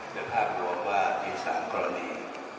เดี๋ยวพาบวกว่ามี๓กรณี